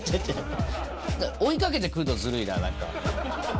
追いかけてくるのずるいな、なんか。